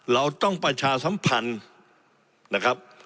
เราต้องประชาสัมพันธ์นะครับ